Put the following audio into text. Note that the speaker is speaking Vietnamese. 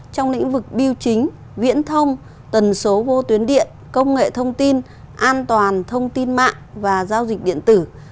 trong lĩnh vực biêu chính viễn thông tần số vô tuyến điện công nghệ thông tin an toàn thông tin mạng và giao dịch điện tử